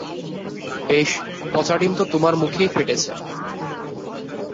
বেশ, পচা ডিম তো তোমার মুখেই ফেটেছে।